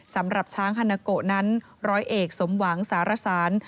สำหรับช้างฮานาโกะนั้นร้อยเอกสมหวังสารสาร